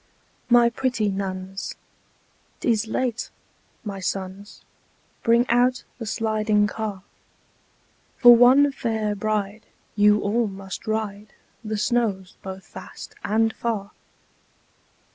"My pretty nuns, 't is late! My sons, Bring out the 'Sliding Car.' For one fair bride, you all must ride The snows both fast and far."